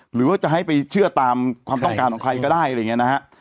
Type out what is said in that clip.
หรือว่าจะให้ไปเชื่อตามความต้องการของใครก็ได้อะไรอย่างนี้นะฮะ